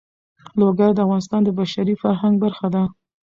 لوگر د افغانستان د بشري فرهنګ برخه ده.